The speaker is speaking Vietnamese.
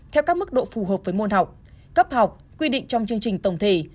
theo các mức độ phù hợp với môn học cấp học quy định trong chương trình tổng thể